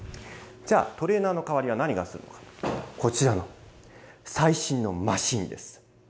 じゃあ、トレーナーの代わりは何がするのか、こちらの最新のマシーンです。